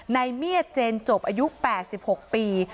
ในเมียเจนจบอายุแปดสิบหกปี